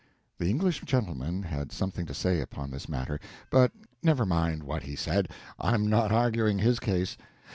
The English gentleman had something to say upon this matter, but never mind what he said I'm not arguing his case.